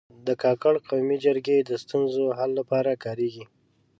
د کاکړ قومي جرګه د ستونزو د حل لپاره کارېږي.